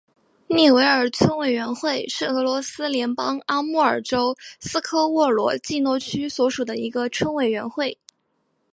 涅韦尔村委员会是俄罗斯联邦阿穆尔州斯科沃罗季诺区所属的一个村委员会。